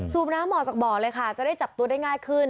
น้ำออกจากบ่อเลยค่ะจะได้จับตัวได้ง่ายขึ้น